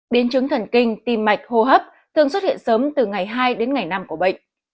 biến chứng thần kinh tim mạch hô hấp thường xuất hiện sớm từ ngày hai đến ngày năm của bệnh